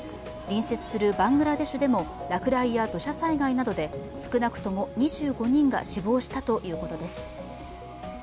隣接するバングラデシュでも落雷や土砂災害などで少なくとも２５人が死亡したということです。